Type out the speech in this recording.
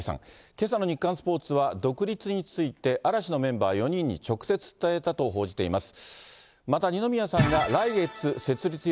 けさの日刊スポーツは、独立について、嵐のメンバー４人に直接伝えたと報じています。